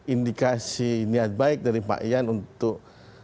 indikasi niat baik dari pak ian untuk